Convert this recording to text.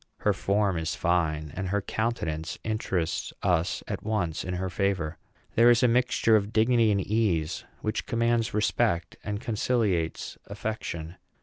Her form is fine, and her countenance interests us at once in her favor. There is a mixture of dignity and ease which commands respect and conciliates affection.